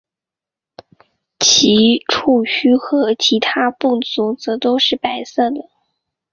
其触须和其他步足则都是白色的。